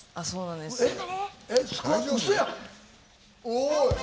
おい！